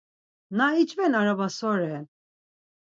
Na iç̌ven araba so ren?